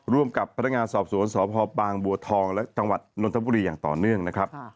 ร่วมกับพนักงานสอบสวนสพบางบัวทองและจังหวัดนนทบุรีอย่างต่อเนื่องนะครับ